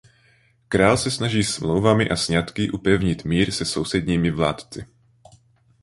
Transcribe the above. Král se snaží smlouvami a sňatky upevnit mír se sousedními vládci.